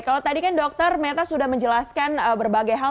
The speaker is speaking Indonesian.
kalau tadi kan dokter meta sudah menjelaskan berbagai hal